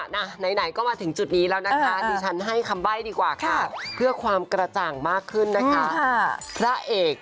งงมากเอาพี่แจ๊กเอาเอ๊อบดุลกลับบ้านไปก่อนงงมาก